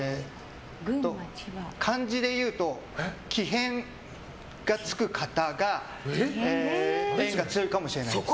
漢字で言うと木へんがつく方が縁が強いかもしれないです。